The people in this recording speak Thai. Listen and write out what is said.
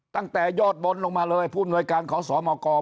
ตั้งแต่ยอดบนลงมาเลยผู้หน่วยการขอสอบอากร